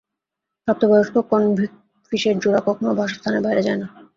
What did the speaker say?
প্রাপ্ত বয়স্ক কনভিক্ট ফিশের জোড়া কখনও বাসস্থানের বাইরে যায় না।